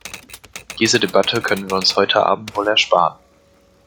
Diese Debatte können wir uns heute Abend wohl ersparen.